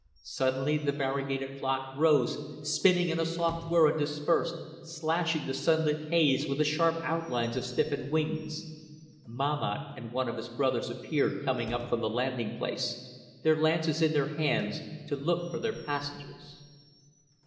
Suddenly the variegated flock rose spinning in a soft whirr and dispersed, slashing the sunlit haze with the sharp outlines of stiffened wings. Mahmat and one of his brothers appeared coming up from the landing place, their lances in their hands, to look for their passengers.